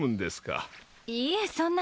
いいえそんな。